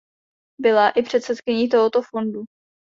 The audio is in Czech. Byla i předsedkyní tohoto fondu.